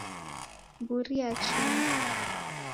Mburi yachinjwa.